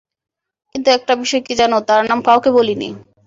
কিন্তু একটা বিষয় কী জানো, তার নাম কাউকে বলিনি।